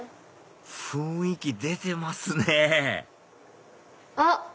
雰囲気出てますねあっ！